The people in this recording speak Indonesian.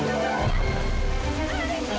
tidak ada balik